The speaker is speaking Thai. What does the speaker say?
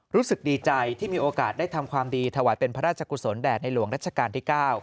รู้สึกดีใจที่มีโอกาสได้ทำความดีถวายเป็นพระราชกุศลแด่ในหลวงรัชกาลที่๙